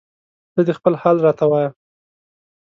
ته دې خپل حال راته وایه